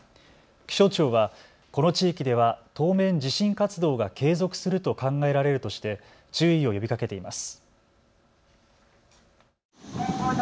気象庁はこの地域では当面、地震活動が継続すると考えられるとして注意を呼びかけています。